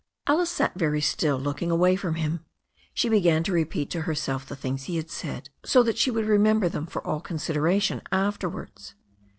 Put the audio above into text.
Alice sat very still looking away from him. She began to repeat to herself the things he had said, so that she would remember them all for consideration afterwards.